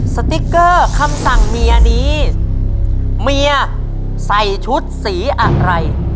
สติ๊กเกอร์คำสั่งเมียนี้เมียใส่ชุดสีอะไร